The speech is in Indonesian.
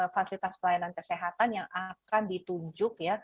fasilitas pelayanan kesehatan yang akan ditunjuk